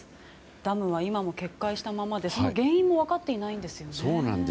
ダムは今も決壊したままでその原因も分かっていないんですよね。